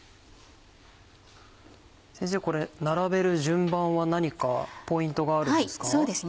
先生これ並べる順番は何かポイントがあるんですか？